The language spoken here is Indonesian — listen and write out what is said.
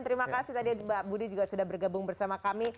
tadi mbak budi juga sudah bergabung bersama kami